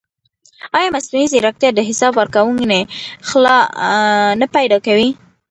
ایا مصنوعي ځیرکتیا د حساب ورکونې خلا نه پیدا کوي؟